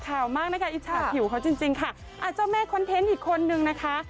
ขาวมากนะคะอิจฉะผิวเขาจริงจริงค่ะอ่าเจ้าแม่อีกคนหนึ่งนะคะ